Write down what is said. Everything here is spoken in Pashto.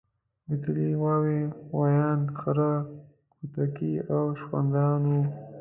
د کلي غواوې، غوایان، خره کوټکي او سخوندران وو.